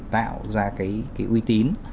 tạo ra cái uy tín